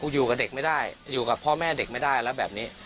อยู่กับเด็กไม่ได้อยู่กับพ่อแม่เด็กไม่ได้แล้วแบบนี้